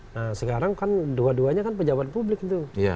nah sekarang kan dua duanya kan pejabat publik itu